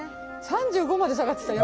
３５まで下がってた。